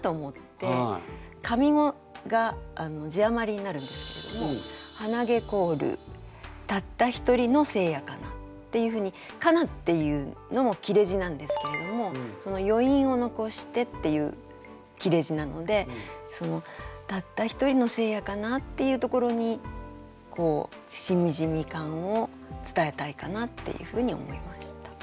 上五が字余りになるんですけれども「はなげ凍るたったひとりの聖夜かな」っていうふうに「かな」っていうのも切れ字なんですけれどもそのよいんを残してっていう切れ字なのでその「たったひとりの聖夜かな」っていうところにこうしみじみ感を伝えたいかなっていうふうに思いました。